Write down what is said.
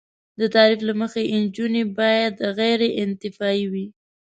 د تعریف له مخې انجوګانې باید غیر انتفاعي وي.